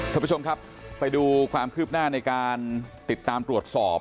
ท่านผู้ชมครับไปดูความคืบหน้าในการติดตามตรวจสอบ